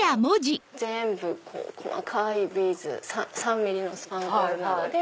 全部細かいビーズ３ｍｍのスパンコールなどで。